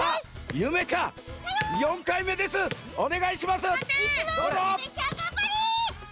ゆめちゃんがんばれ！